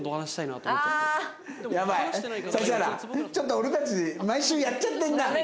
指原ちょっと俺たち毎週やっちゃってんな。